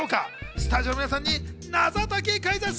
スタジオの皆さんに謎解きクイズッス。